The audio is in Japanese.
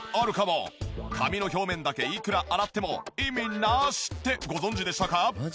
髪の表面だけいくら洗っても意味なしってご存じでしたか？